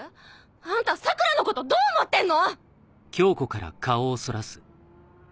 あんた桜良のことどう思ってんの⁉